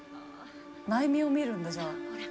内面を見るんだじゃあ。